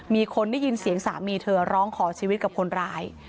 มีคนได้ยินเสียงสามีเธอร้องขอชีวิตกับคนร้าย